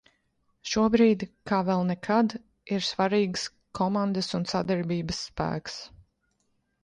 Šobrīd, kā vēl nekad, ir svarīgs komandas un sadarbības spēks!